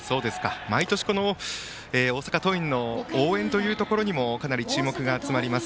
毎年、大阪桐蔭の応援というところにもかなり注目が集まります。